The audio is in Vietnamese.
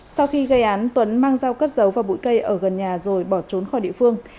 sau khi gây án tuấn mang dao cất giấu và bụi cây ở gần nhà rồi bỏ trốn khỏi địa phương